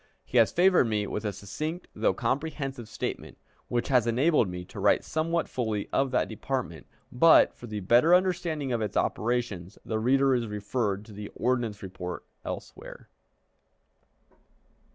He has favored me with a succinct though comprehensive statement, which has enabled me to write somewhat fully of that department; but, for the better understanding of its operations, the reader is referred to the ordnance report elsewhere.